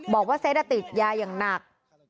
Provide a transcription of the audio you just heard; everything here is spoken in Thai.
บอกว่าเซตติดยาอย่างหนัก